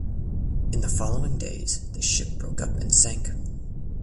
In the following days the ship broke up and sank.